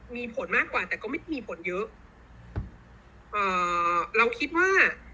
มีผลมากกว่าแต่ก็ไม่มีความผลเยอะ